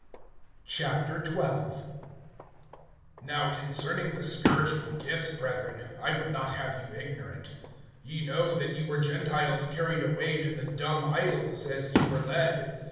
XII. NOW concerning the spiritual gifts, brethren, I would not have you ignorant. (2)Ye know that ye were Gentiles carried away to the dumb idols, as ye were led.